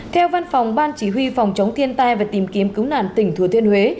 theo văn phòng ban chỉ huy phòng chống thiên tai và tìm kiếm cứu nạn tỉnh thừa thiên huế